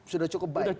sudah cukup baik